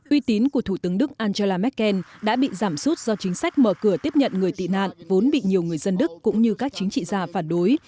uy tín của thủ tướng đức angela merkel đã bị giảm sút do chính sách mở cửa tiếp nhận người tị nạn vốn bị nhiều người dân đức cũng như các chính trị gia phản đối